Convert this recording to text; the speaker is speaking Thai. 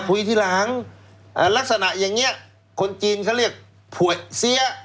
ทีหลังลักษณะอย่างนี้คนจีนเขาเรียกผัวเสีย